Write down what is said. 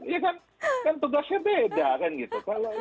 ya kan tugasnya beda kan gitu